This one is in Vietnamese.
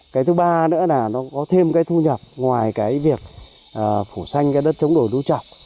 cái thứ ba nữa là nó có thêm thu nhập ngoài việc phủ xanh đất trống đồi núi trọc